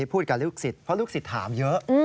พูดกับลูกศิษย์เพราะลูกศิษย์ถามเยอะ